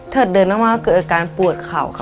เดินมากเกิดอาการปวดเข่าค่ะ